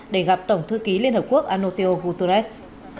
để gặp tổng thư ký liên hợp quốc anto guterres